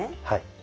はい。